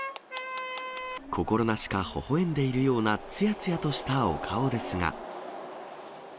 心なしかほほえんでいるような、つやつやとしたお顔ですが。